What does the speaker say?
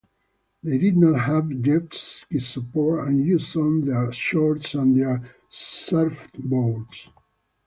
They did not have jetski support and used on their shorts and their surfboards.